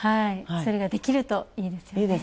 それができるといいですね。